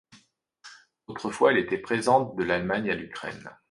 Autrefois elle était présente de l'Allemagne à l'Ukraine.